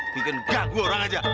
bikin ganggu orang aja